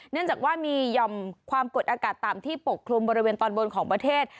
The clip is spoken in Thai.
เนื่องจากว่ามีหย่อมความกดอากาศต่ำที่ปกคลุมบริเวณตอนบนของประเทศ